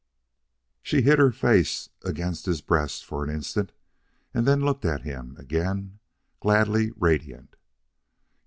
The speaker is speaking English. She hid her face against his breast for an instant, and then looked at him again, gladly radiant.